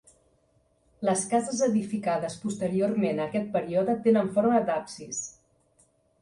Les cases edificades posteriorment a aquest període tenen forma d'absis.